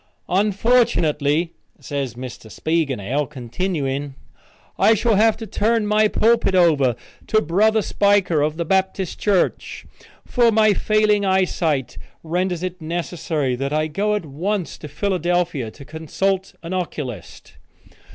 "Unfortunately," said Mr. Spiegelnail, continuing, "I shall have to turn my pulpit over to Brother Spiker of the Baptist Church, for my failing eyesight renders it necessary that I go at once to Philadelphia, to consult an oculist.